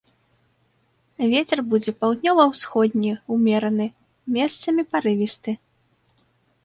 Вецер будзе паўднёва-ўсходні ўмераны, месцамі парывісты.